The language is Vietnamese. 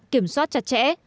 kiểm soát chặt chẽ